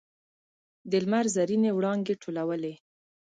د لمر زرینې وړانګې ټولولې.